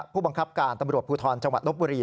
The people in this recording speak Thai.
ผู้บังคับการตำรวจภูทรจลบบุหรี่